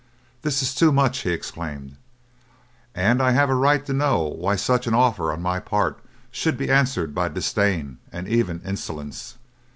"This is too much," he exclaimed, "and I have a right to know why such an offer on my part should be answered by disdain, and even insolence."